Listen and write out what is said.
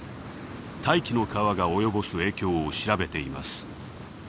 「大気の川」が及ぼす影響を調べています。